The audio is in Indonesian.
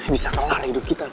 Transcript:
bisa terlalu hidup kita